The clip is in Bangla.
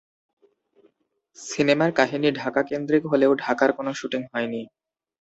সিনেমার কাহিনী ঢাকা কেন্দ্রিক হলেও ঢাকার কোন শুটিং হয়নি।